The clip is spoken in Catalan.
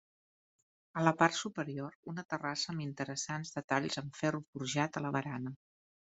A la part superior, una terrassa amb interessants detalls en ferro forjat a la barana.